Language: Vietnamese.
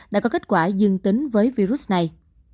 đã có kết quả dương tính với virus này